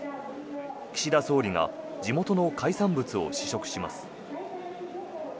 岸田総理が地元の海産物を試食します。